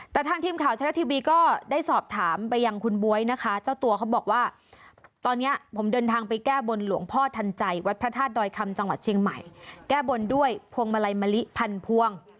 แต่ทางทีมข่าวไทยรัฐทีวีก็ได้สอบถามไปยังคุณบ๊วยนะคะเจ้าตัวเขาบอกว่าตอนนี้ผมเดินทางไปแก้บนหลวงพ่อทันใจวัดพระธาตุดอยคำจังหวัดเชียงใหม่แก้บนด้วยพวงมาลัยมะลิพันพวง